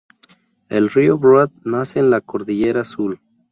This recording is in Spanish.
El río Broad nace en la cordillera Azul.